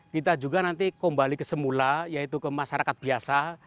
kita juga nanti kembali ke semula yaitu ke masyarakat biasa